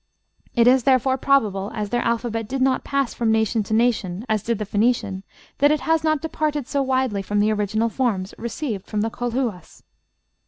It is therefore probable, as their alphabet did not pass from nation to nation, as did the Phoenician, that it has not departed so widely from the original forms received from the Colhuas.